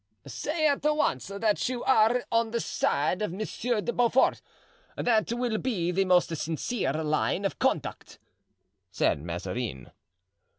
"Say at once that you are on the side of Monsieur de Beaufort; that will be the most sincere line of conduct," said Mazarin.